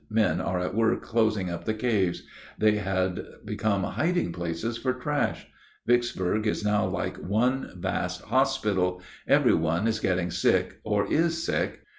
Men are at work closing up the caves; they had become hiding places for trash. Vicksburg is now like one vast hospital every one is getting sick or is sick.